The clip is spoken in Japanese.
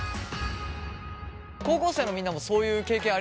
高校生のみんなもそういう経験ありますか？